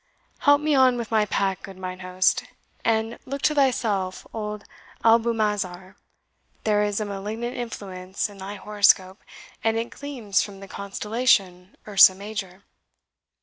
Help me on with my pack, good mine host. And look to thyself, old Albumazar; there is a malignant influence in thy horoscope, and it gleams from the constellation Ursa Major."